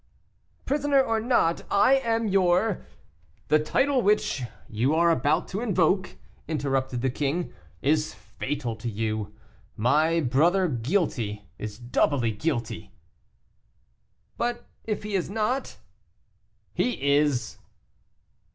"Prisoner, or not, I am your " "The title which you are about to invoke," interrupted the king, "is fatal to you. My brother guilty, is doubly guilty." "But if he is not?" "He is."